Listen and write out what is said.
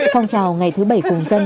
phong trào ngày thứ bảy cùng dân